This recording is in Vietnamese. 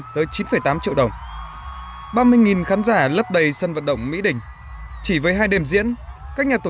tới chín tám triệu đồng ba mươi khán giả lấp đầy sân vận động mỹ đình chỉ với hai đêm diễn các nhà tổ